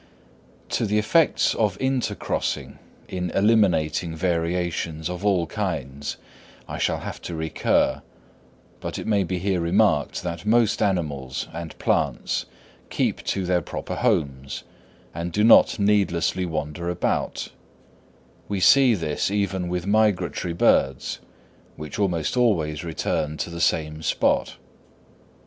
To the effects of intercrossing in eliminating variations of all kinds, I shall have to recur; but it may be here remarked that most animals and plants keep to their proper homes, and do not needlessly wander about; we see this even with migratory birds, which almost always return to the same spot.